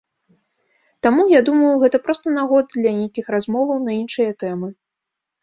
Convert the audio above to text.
Таму, я думаю, гэта проста нагода для нейкіх размоваў на іншыя тэмы.